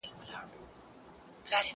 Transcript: زه به سبا سفر وکړم!؟